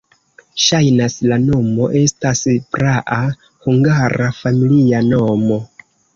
Ŝajnas, la nomo estas praa hungara familia nomo.